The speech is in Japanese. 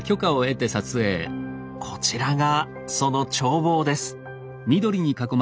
こちらがその眺望です。